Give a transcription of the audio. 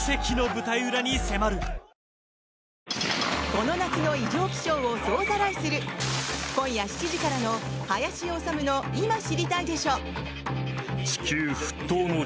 この夏の異常気象を総ざらいする今夜７時からの「林修の今知りたいでしょ！」。